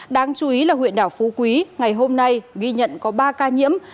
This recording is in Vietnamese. đáng chú ý là huyện đảo phú quý ngày hôm nay ghi nhận có ba ca nhiễm